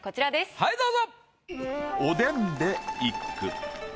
はいどうぞ。